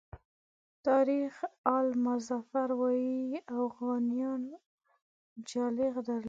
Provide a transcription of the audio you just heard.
تاریخ آل مظفر وایي اوغانیانو جالغ درلود.